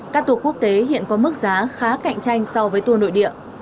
các tour quốc tế hiện có mức giá khá cạnh tranh so với tour nội địa